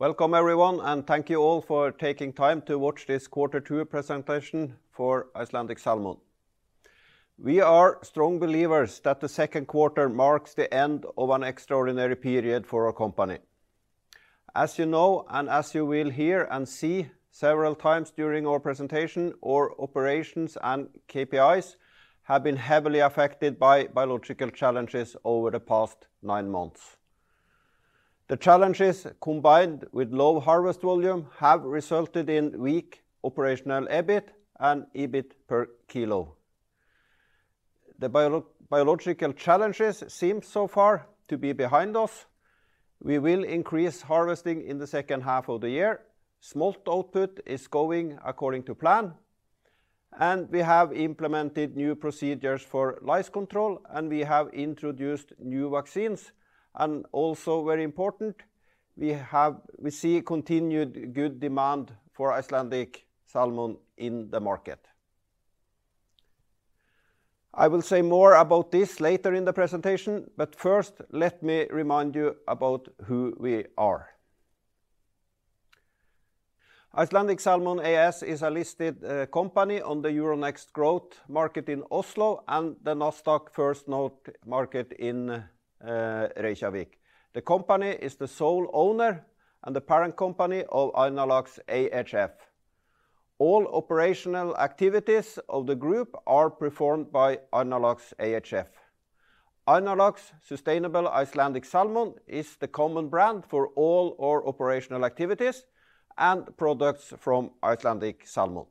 Welcome everyone, and thank you all for taking time to watch this quarter two presentation for Icelandic Salmon. We are strong believers that the second quarter marks the end of an extraordinary period for our company. As you know, and as you will hear and see several times during our presentation, our operations and KPIs have been heavily affected by biological challenges over the past nine months. The challenges, combined with low harvest volume, have resulted in weak operational EBIT and EBIT per kilo. The biological challenges seem so far to be behind us. We will increase harvesting in the second half of the year. Smolt output is going according to plan, and we have implemented new procedures for lice control, and we have introduced new vaccines. Also very important, we have, we see continued good demand for Icelandic Salmon in the market. I will say more about this later in the presentation, but first, let me remind you about who we are. Icelandic Salmon AS is a listed company on the Euronext Growth Market in Oslo and the Nasdaq First North Market in Reykjavík. The company is the sole owner and the parent company of Arnarlax ehf. All operational activities of the group are performed by Arnarlax ehf. Arnarlax Sustainable Icelandic Salmon is the common brand for all our operational activities and products from Icelandic Salmon.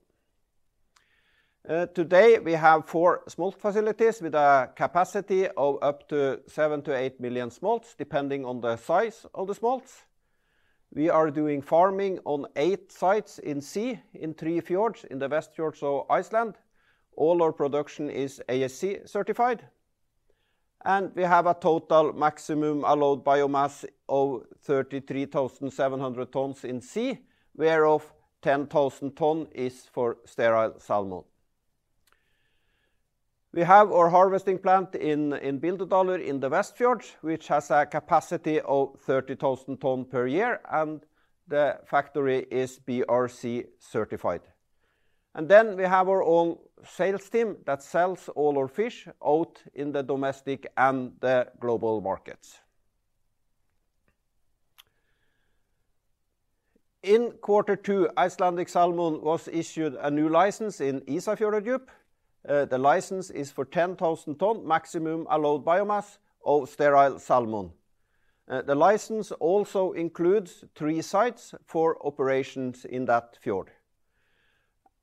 Today, we have four smolt facilities with a capacity of up to seven-to-eight million smolts, depending on the size of the smolts. We are doing farming on eight sites in sea, in three fjords, in the Westfjords of Iceland. All our production is ASC certified, and we have a total maximum allowed biomass of 33,700 tons in sea, whereof 10,000 tons is for sterile salmon. We have our harvesting plant in Bíldudalur in the Westfjords, which has a capacity of thirty thousand ton per year, and the factory is BRC certified. Then we have our own sales team that sells all our fish out in the domestic and the global markets. In quarter two, Icelandic Salmon was issued a new license in Ísafjarðardjúp. The license is for ten thousand ton maximum allowed biomass of sterile salmon. The license also includes three sites for operations in that fjord.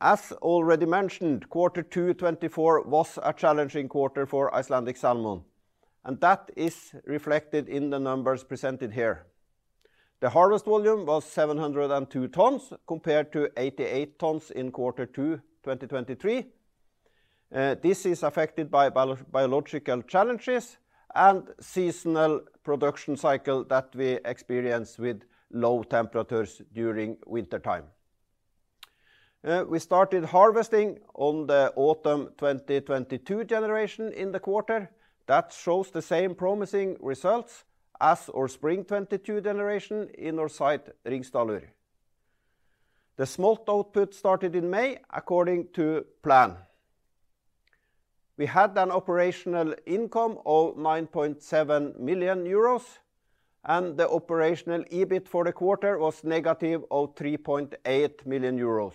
As already mentioned, quarter two 2024 was a challenging quarter for Icelandic Salmon, and that is reflected in the numbers presented here. The harvest volume was 702 tons, compared to 88 tons in quarter two, 2023. This is affected by biological challenges and seasonal production cycle that we experience with low temperatures during wintertime. We started harvesting on the autumn 2022 generation in the quarter. That shows the same promising results as our spring 2022 generation in our site, Hringsdalur. The smolt output started in May, according to plan. We had an operational income of 9.7 million euros, and the operational EBIT for the quarter was negative 3.8 million euros.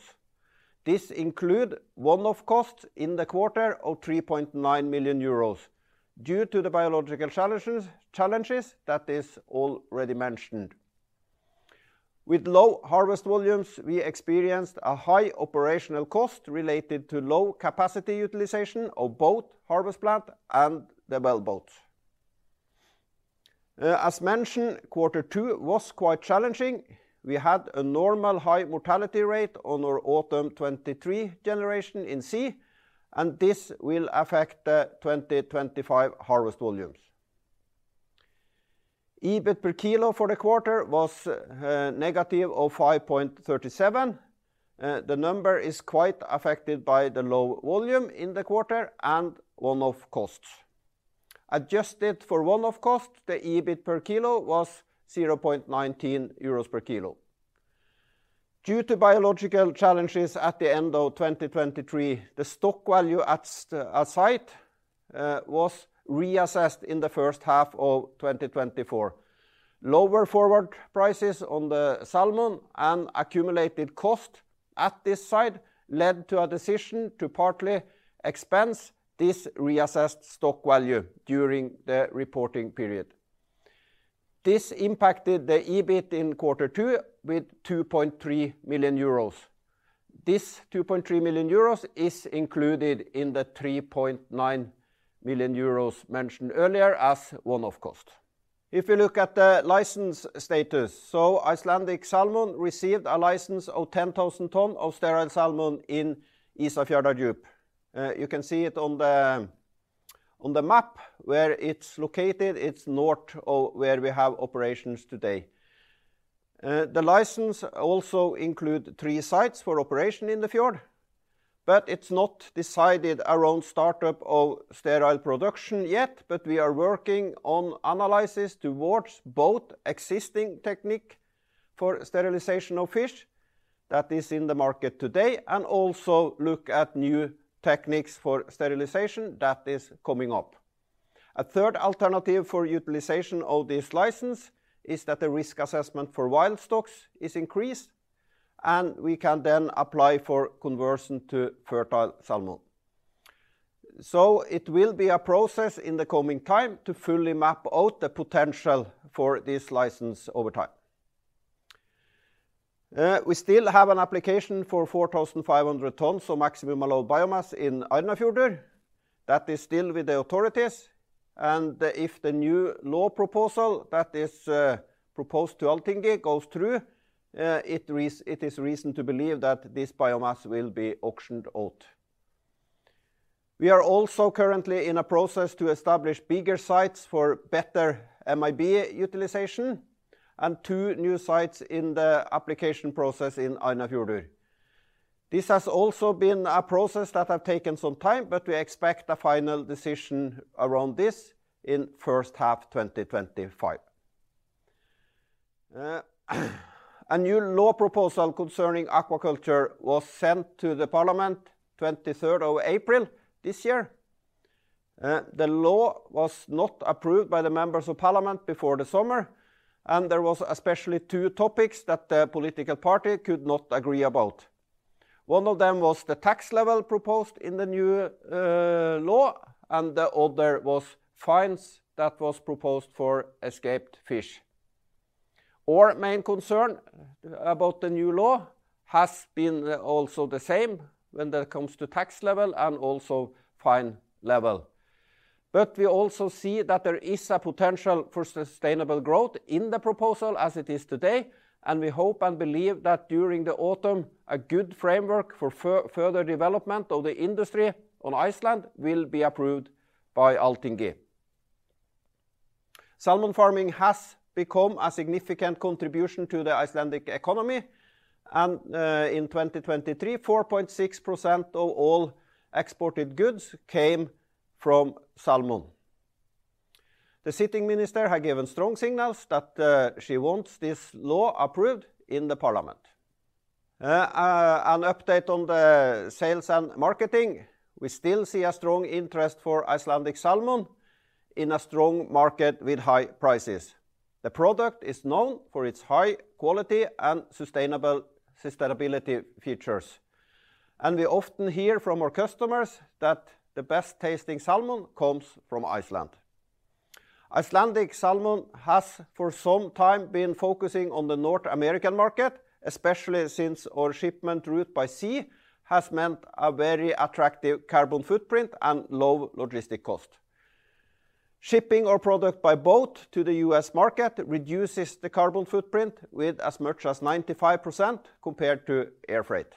This include one-off costs in the quarter of 3.9 million euros due to the biological challenges, challenges that is already mentioned. With low harvest volumes, we experienced a high operational cost related to low capacity utilization of both harvest plant and the well boats. As mentioned, quarter two was quite challenging. We had a normal high mortality rate on our autumn 2023 generation in sea, and this will affect the 2025 harvest volumes. EBIT per kilo for the quarter was negative 5.37. The number is quite affected by the low volume in the quarter and one-off costs. Adjusted for one-off cost, the EBIT per kilo was 0.19 euros per kilo. Due to biological challenges at the end of 2023, the stock value at site was reassessed in the first half of 2024. Lower forward prices on the salmon and accumulated cost at this site led to a decision to partly expense this reassessed stock value during the reporting period. This impacted the EBIT in quarter two with 2.3 million euros. This 2.3 million euros is included in the 3.9 million euros mentioned earlier as one-off cost. If you look at the license status, so Icelandic Salmon received a license of 10,000 tons of sterile salmon in Ísafjarðardjúp. You can see it on the map where it's located. It's north of where we have operations today. The license also include three sites for operation in the fjord, but it's not decided around startup of sterile production yet, but we are working on analysis towards both existing technique for sterilization of fish that is in the market today, and also look at new techniques for sterilization that is coming up. A third alternative for utilization of this license is that the risk assessment for wild stocks is increased, and we can then apply for conversion to fertile salmon. So it will be a process in the coming time to fully map out the potential for this license over time. We still have an application for four thousand five hundred tons of maximum allowed biomass in Arnarfjörður. That is still with the authorities, and if the new law proposal that is proposed to Althingi goes through, it is reason to believe that this biomass will be auctioned out. We are also currently in a process to establish bigger sites for better MAB utilization and two new sites in the application process in Arnarfjörður. This has also been a process that has taken some time, but we expect a final decision around this in first half 2025. A new law proposal concerning aquaculture was sent to the parliament April 23rd this year. The law was not approved by the members of Parliament before the summer, and there was especially two topics that the political party could not agree about. One of them was the tax level proposed in the new law, and the other was fines that was proposed for escaped fish. Our main concern about the new law has been also the same when it comes to tax level and also fine level. But we also see that there is a potential for sustainable growth in the proposal as it is today, and we hope and believe that during the autumn, a good framework for further development of the industry on Iceland will be approved by Althingi. Salmon farming has become a significant contribution to the Icelandic economy, and in 2023, 4.6% of all exported goods came from salmon. The sitting minister has given strong signals that she wants this law approved in the parliament. An update on the sales and marketing. We still see a strong interest for Icelandic Salmon in a strong market with high prices. The product is known for its high quality and sustainable sustainability features, and we often hear from our customers that the best tasting salmon comes from Iceland. Icelandic Salmon has for some time been focusing on the North American market, especially since our shipment route by sea has meant a very attractive carbon footprint and low logistic cost. Shipping our product by boat to the US market reduces the carbon footprint with as much as 95% compared to air freight.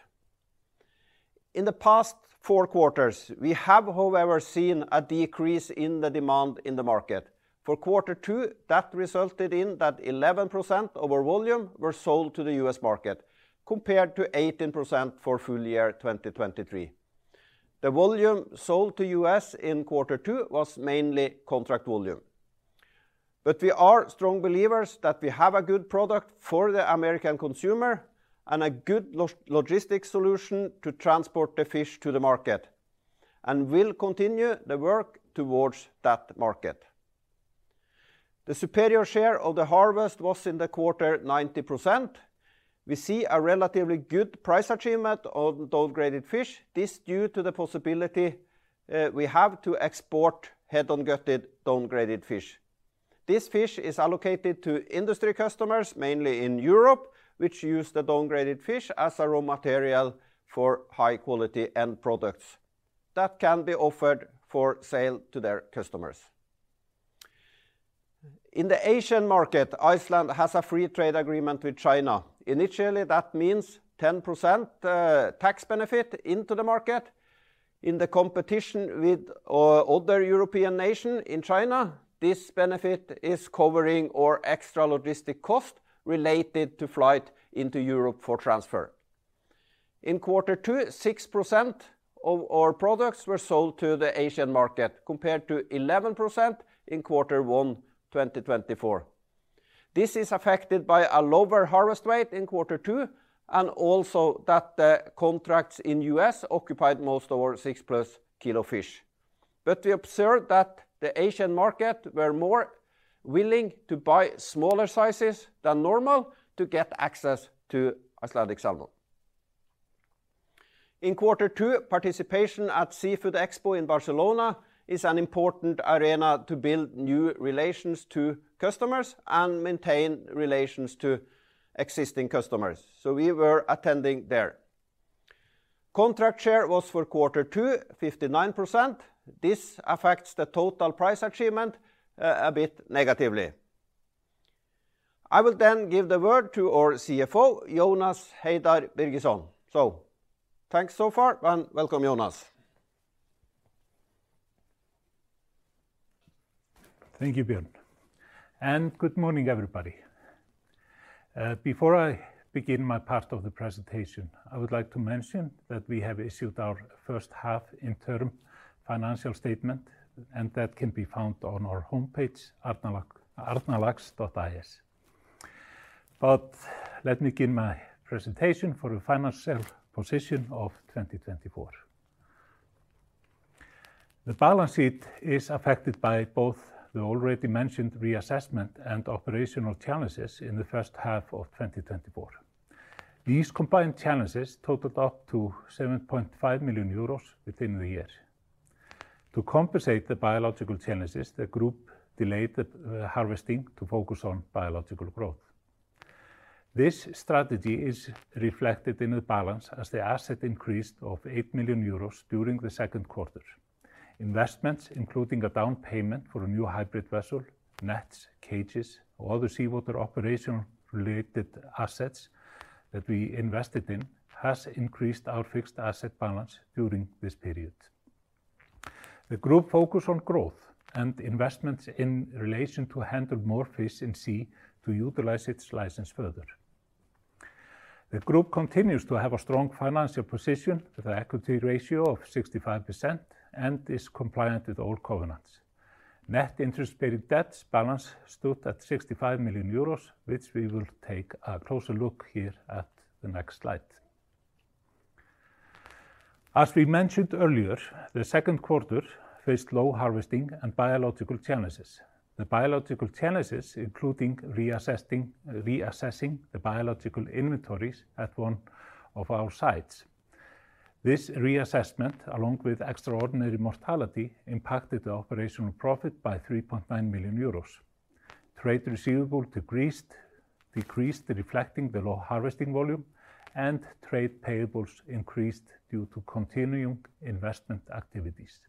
In the past four quarters, we have, however, seen a decrease in the demand in the market. For quarter two, that resulted in 11% of our volume were sold to the U.S. market, compared to 18% for full year 2023. The volume sold to U.S. in quarter two was mainly contract volume, but we are strong believers that we have a good product for the American consumer and a good logistics solution to transport the fish to the market, and will continue the work towards that market. The superior share of the harvest was in the quarter 90%. We see a relatively good price achievement on downgraded fish. This due to the possibility we have to export head-on gutted, downgraded fish. This fish is allocated to industry customers, mainly in Europe, which use the downgraded fish as a raw material for high quality end products that can be offered for sale to their customers. In the Asian market, Iceland has a free trade agreement with China. Initially, that means 10% tax benefit into the market. In the competition with other European nations in China, this benefit is covering our extra logistic cost related to flight into Europe for transfer. In quarter two, 6% of our products were sold to the Asian market, compared to 11% in quarter one, 2024. This is affected by a lower harvest rate in quarter two, and also that the contracts in US occupied most of our six plus kilo fish. But we observed that the Asian market were more willing to buy smaller sizes than normal to get access to Icelandic Salmon. In quarter two, participation at Seafood Expo in Barcelona is an important arena to build new relations to customers and maintain relations to existing customers, so we were attending there. Contract share was for quarter two, 59%. This affects the total price achievement a bit negatively. I will then give the word to our CFO, Jónas Heiðar Birgisson. So thanks so far and welcome, Jonas. Thank you, Bjørn, and good morning, everybody. Before I begin my part of the presentation, I would like to mention that we have issued our first half interim financial statement, and that can be found on our homepage, arnarlax.is. But let me begin my presentation for the financial position of 2024. The balance sheet is affected by both the already mentioned reassessment and operational challenges in the first half of 2024. These combined challenges totaled up to 7.5 million euros within the year. To compensate the biological challenges, the group delayed the harvesting to focus on biological growth. This strategy is reflected in the balance as the asset increased of 8 million euros during the second quarter. Investments, including a down payment for a new hybrid vessel, nets, cages, or other seawater operation-related assets that we invested in, has increased our fixed asset balance during this period. The group focus on growth and investments in relation to handle more fish in sea to utilize its license further. The group continues to have a strong financial position with an equity ratio of 65% and is compliant with all covenants. Net interest-bearing debts balance stood at 65 million euros, which we will take a closer look here at the next slide. As we mentioned earlier, the second quarter faced low harvesting and biological challenges. The biological challenges, including reassessing the biological inventories at one of our sites. This reassessment, along with extraordinary mortality, impacted the operational profit by 3.9 million euros. Trade receivable decreased, reflecting the low harvesting volume, and trade payables increased due to continuing investment activities.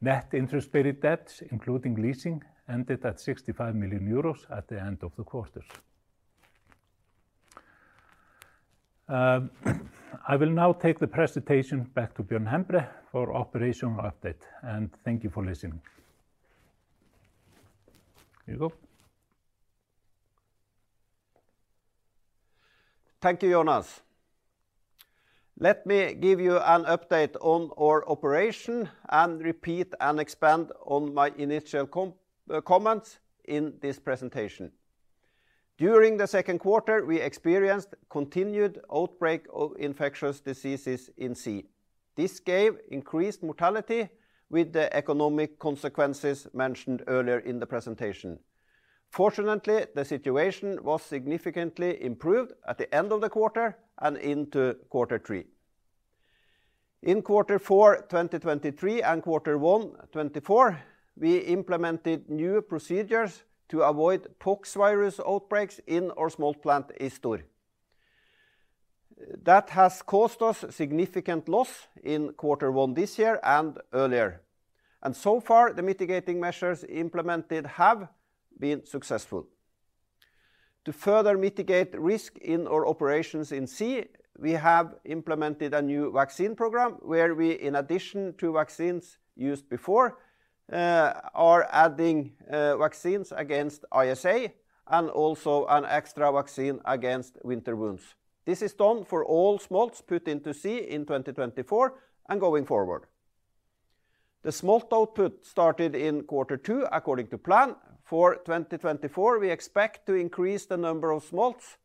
Net interest-bearing debts, including leasing, ended at 65 million euros at the end of the quarter. I will now take the presentation back to Bjørn Hembre for operational update, and thank you for listening. Here you go. Thank you, Jónas. Let me give you an update on our operation and repeat and expand on my initial comments in this presentation. During the second quarter, we experienced continued outbreak of infectious diseases in sea. This gave increased mortality with the economic consequences mentioned earlier in the presentation. Fortunately, the situation was significantly improved at the end of the quarter and into quarter three. In quarter four, 2023 and quarter one, 2024, we implemented new procedures to avoid poxvirus outbreaks in our smolt plant in the South. That has caused us significant loss in quarter one this year and earlier, and so far, the mitigating measures implemented have been successful. To further mitigate risk in our operations in sea, we have implemented a new vaccine program, where we, in addition to vaccines used before, are adding vaccines against ISA and also an extra vaccine against winter wounds. This is done for all smolts put into sea in 2024 and going forward. The smolt output started in quarter two, according to plan. For 2024, we expect to increase the number of smolts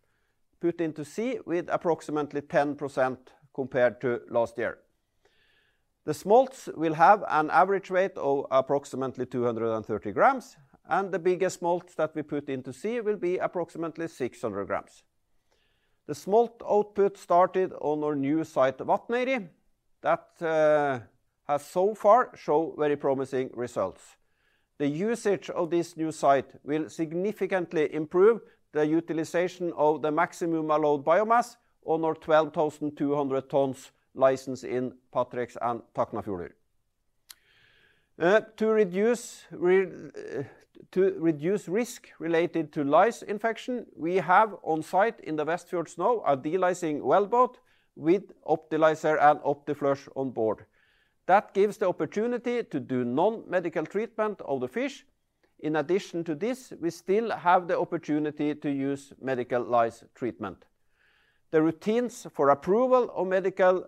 put into sea with approximately 10% compared to last year. The smolts will have an average rate of approximately 230 grams, and the biggest smolts that we put into sea will be approximately 600 grams. The smolt output started on our new site, Vatn, that has so far shown very promising results. The usage of this new site will significantly improve the utilization of the maximum allowed biomass on our 12,200 tons license in Patreksfjörður and Tálknafjörður. To reduce risk related to lice infection, we have on site in the Westfjords now, a delicing well boat with Optilice and OptiFlush on board. That gives the opportunity to do non-medical treatment of the fish. In addition to this, we still have the opportunity to use medical lice treatment. The routines for approval of medical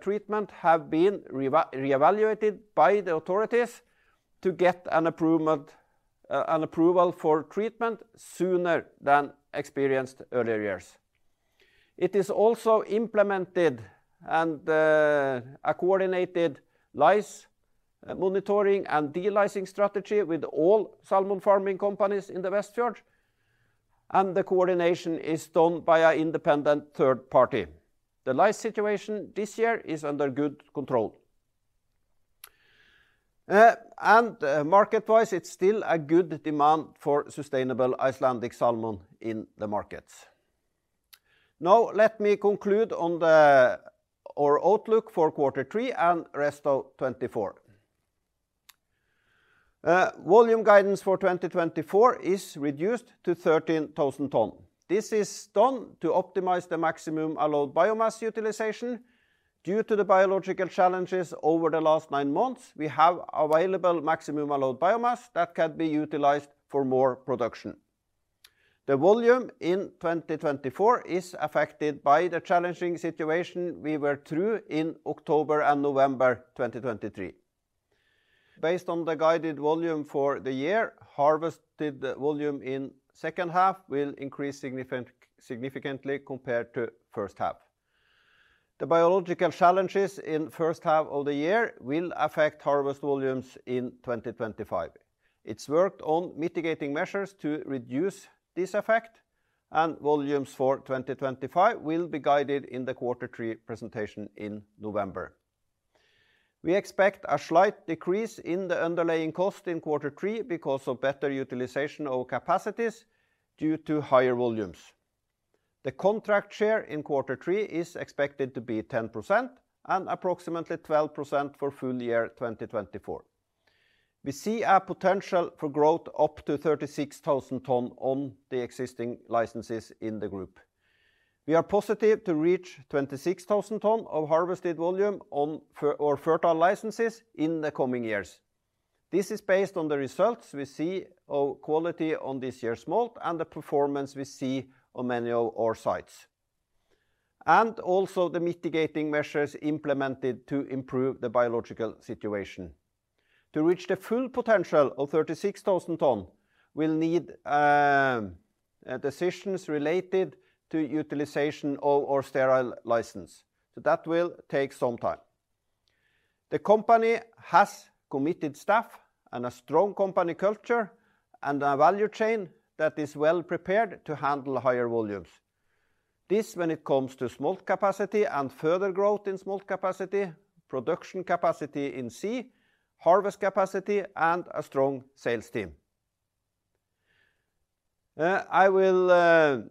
treatment have been reevaluated by the authorities to get an approval for treatment sooner than experienced earlier years. It is also implemented and a coordinated lice monitoring and delicing strategy with all salmon farming companies in the Westfjords, and the coordination is done by an independent third party. The lice situation this year is under good control, and market-wise, it's still a good demand for sustainable Icelandic Salmon in the markets. Now, let me conclude on our outlook for quarter three and rest of 2024. Volume guidance for 2024 is reduced to thirteen thousand ton. This is done to optimize the maximum allowed biomass utilization. Due to the biological challenges over the last nine months, we have available maximum allowed biomass that can be utilized for more production. The volume in 2024 is affected by the challenging situation we were through in October and November 2023. Based on the guided volume for the year, harvested volume in second half will increase significantly compared to first half. The biological challenges in first half of the year will affect harvest volumes in 2025. It's worked on mitigating measures to reduce this effect, and volumes for 2025 will be guided in the quarter three presentation in November. We expect a slight decrease in the underlying cost in quarter three because of better utilization of capacities due to higher volumes. The contract share in quarter three is expected to be 10% and approximately 12% for full year 2024. We see a potential for growth up to 36,000 tons on the existing licenses in the group. We are positive to reach 26,000 tons of harvested volume on our fertile licenses in the coming years. This is based on the results we see of quality on this year's smolt and the performance we see on many of our sites, and also the mitigating measures implemented to improve the biological situation. To reach the full potential of thirty-six thousand ton, we'll need decisions related to utilization of our sterile license, so that will take some time. The company has committed staff, and a strong company culture, and a value chain that is well prepared to handle higher volumes. This when it comes to smolt capacity and further growth in smolt capacity, production capacity in sea, harvest capacity, and a strong sales team. I will,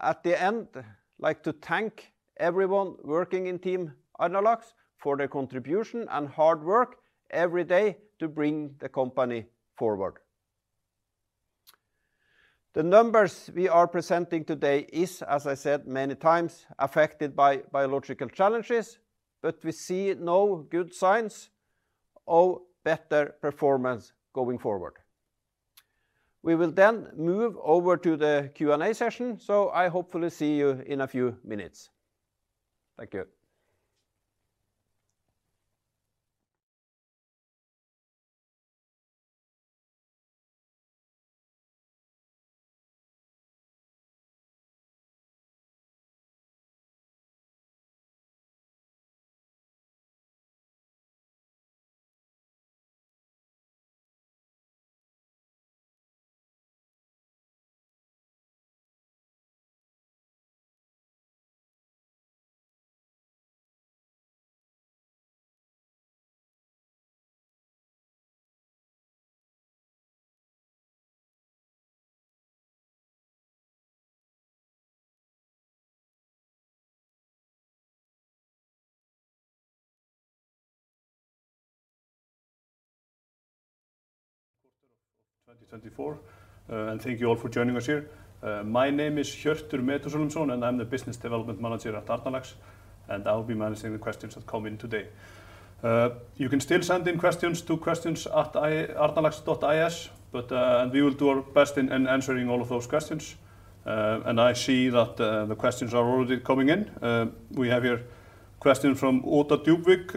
at the end, like to thank everyone working in Team Arnarlax for their contribution and hard work every day to bring the company forward. The numbers we are presenting today is, as I said many times, affected by biological challenges, but we see now good signs of better performance going forward. We will then move over to the Q&A session, so I hopefully see you in a few minutes. Thank you. ... quarter of 2024. Thank you all for joining us here. My name is Hjörtur Marteinsson, and I'm the business development manager at Arnarlax, and I'll be managing the questions that come in today. You can still send in questions to questions@arnarlax.is, but we will do our best in answering all of those questions. I see that the questions are already coming in. We have here a question from Oda Djupvik.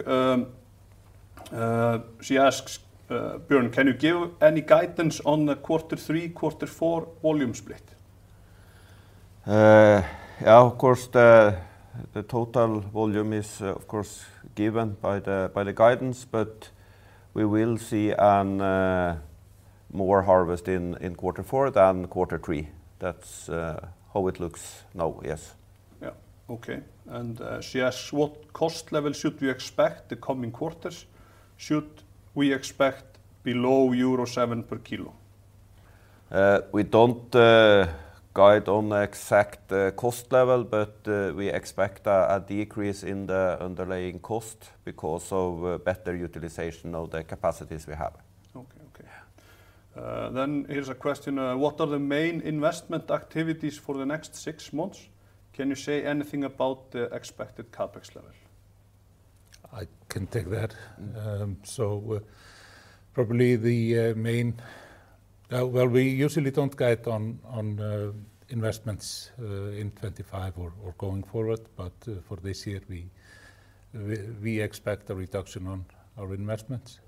She asks, "Bjørn, can you give any guidance on the quarter three, quarter four volume split? Yeah, of course, the total volume is, of course, given by the guidance, but we will see a more harvest in quarter four than quarter three. That's how it looks now, yes. Yeah. Okay. And, she asks, "What cost level should we expect the coming quarters? Should we expect below euro 7 per kilo? We don't guide on the exact cost level, but we expect a decrease in the underlying cost because of better utilization of the capacities we have. Okay, okay. Yeah. Then here's a question: "What are the main investment activities for the next six months? Can you say anything about the expected CapEx level? I can take that. So, probably the main. Well, we usually don't guide on investments in 2025 or going forward, but for this year, we expect a reduction on our investments.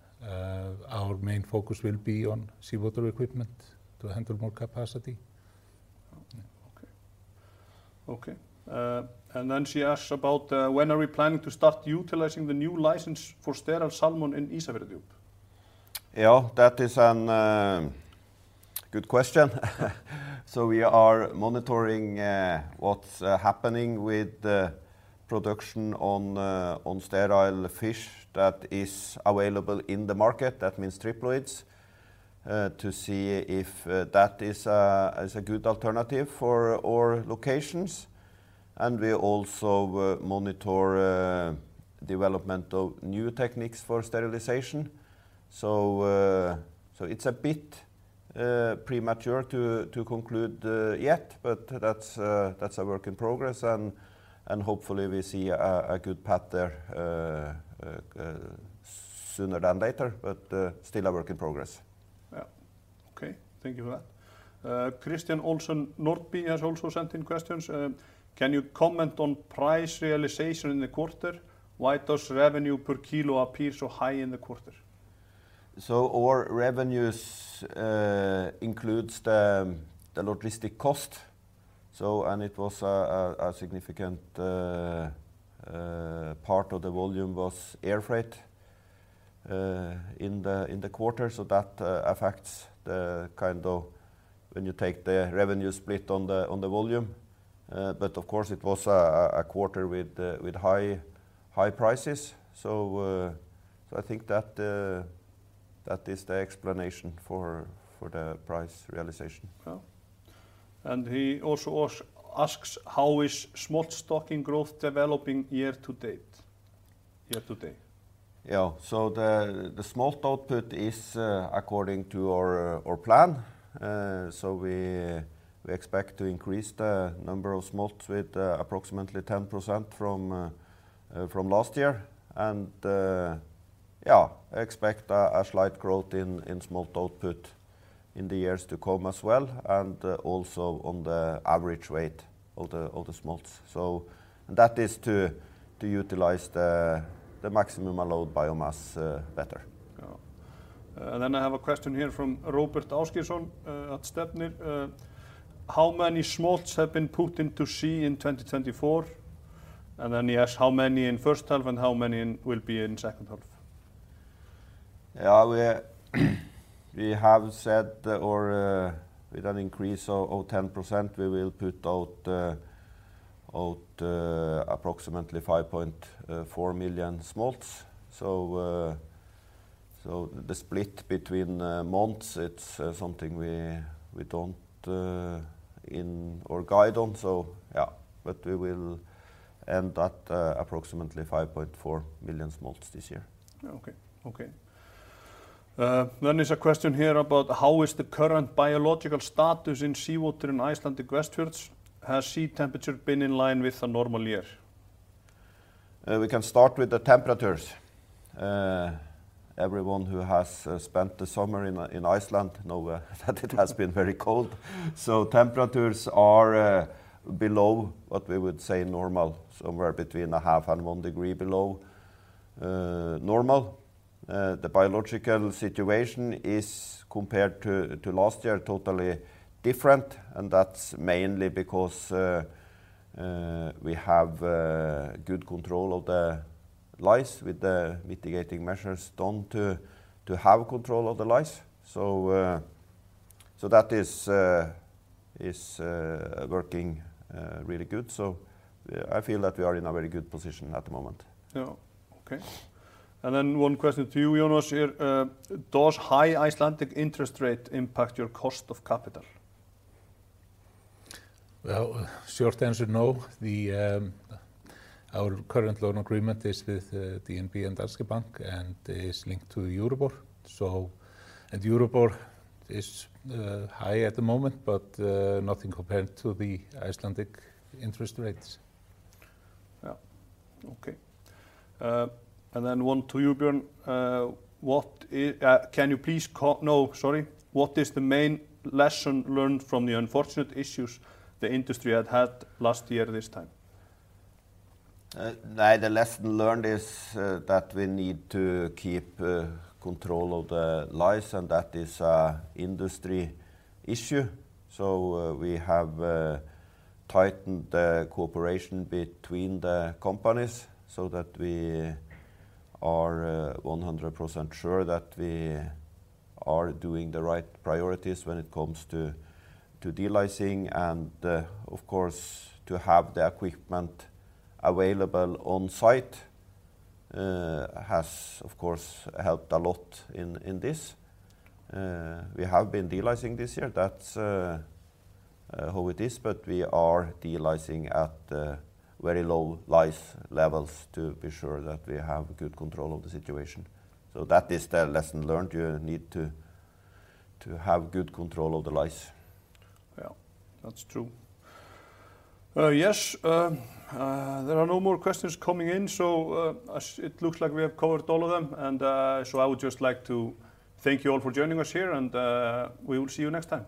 Our main focus will be on seawater equipment to handle more capacity. Okay. Okay, and then she asks about: "When are we planning to start utilizing the new license for sterile salmon in Ísafjarðardjúp? Yeah, that is a good question. So we are monitoring what's happening with the production on sterile fish that is available in the market, that means triploids, to see if that is a good alternative for our locations. And we also monitor development of new techniques for sterilization. So, it's a bit premature to conclude yet, but that's a work in progress, and hopefully we see a good path there sooner than later, but still a work in progress. Yeah. Okay, thank you for that. Christian Olsen Nordby has also sent in questions. Can you comment on price realization in the quarter? Why does revenue per kilo appear so high in the quarter? Our revenues includes the logistic cost, so and it was a significant part of the volume was air freight in the quarter. So that affects the kind of when you take the revenue split on the volume. But of course it was a quarter with high prices. So I think that is the explanation for the price realization. Yeah. And he also asks, "How is smolt stocking growth developing year-to-date? Year-to-date. Yeah. So the smolt output is according to our plan. So we expect to increase the number of smolts with approximately 10% from last year. And yeah, I expect a slight growth in smolt output in the years to come as well, and also on the average weight of the smolts. So, and that is to utilize the maximum allowed biomass better. Yeah. And then I have a question here from Róbert Agnarsson at Stefnir. "How many smolts have been put into sea in 2024?" And then he asks, "How many in first half, and how many will be in second half? Yeah, we have said, or, with an increase of 10%, we will put out approximately 5.4 million smolts. So, the split between months, it's something we don't intend or guide on. So yeah, but we will end at approximately 5.4 million smolts this year. Yeah. Okay, okay. Then there's a question here about: "How is the current biological status in seawater in Icelandic Westfjords? Has sea temperature been in line with a normal year? We can start with the temperatures. Everyone who has spent the summer in Iceland know that it has been very cold. So temperatures are below what we would say normal, somewhere between a half and one degree below normal. The biological situation is, compared to last year, totally different, and that's mainly because we have good control of the lice with the mitigating measures done to have control of the lice. So that is working really good. So I feel that we are in a very good position at the moment. Yeah. Okay. And then one question to you, Jónas, here. "Does high Icelandic interest rate impact your cost of capital? Short answer, no. Our current loan agreement is with DNB and Danske Bank, and is linked to the Euribor. Euribor is high at the moment, but nothing compared to the Icelandic interest rates. Yeah. Okay. And then one to you, Bjørn. What is the main lesson learned from the unfortunate issues the industry had had last year this time? The lesson learned is that we need to keep control of the lice, and that is an industry issue, so we have tightened the cooperation between the companies so that we are 100% sure that we are doing the right priorities when it comes to delicing and, of course, to have the equipment available on site has, of course, helped a lot in this. We have been delicing this year, that's how it is, but we are delicing at very low lice levels to be sure that we have good control of the situation, so that is the lesson learned, you need to have good control of the lice. Yeah, that's true. Yes, there are no more questions coming in, so as it looks like we have covered all of them, and so I would just like to thank you all for joining us here, and we will see you next time.